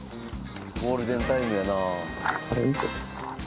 ゴールデンタイムやな。